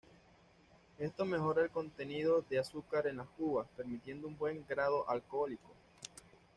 Esto mejora el contenido de azúcar en las uvas, permitiendo un buen grado alcohólico.